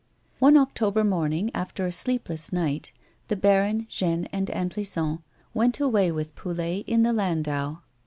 One October morning, after a sleepless night, the baron, Jeanne, and Aunt Lison went away with Poulet in the landau.